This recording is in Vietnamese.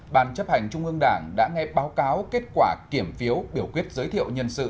ban chấp hành trung ương đảng đã nghe báo cáo kết quả kiểm phiếu biểu quyết giới thiệu nhân sự